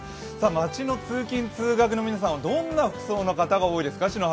街の通勤通学の皆さんは、どんな服装の方が多いですか？